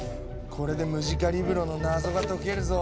これでムジカリブロの謎が解けるぞ！